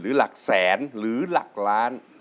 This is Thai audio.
หลักแสนหรือหลักล้าน